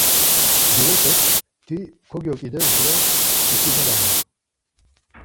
Divepek, ti kogyoǩides do isimadaman.